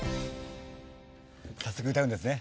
早速歌うんですね。